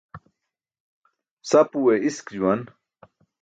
Sapuwe isk juwan.